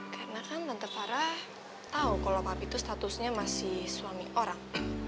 karena kan tante farah tau kalo papi tuh statusnya masih suami orang